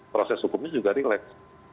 proses hukumnya juga relax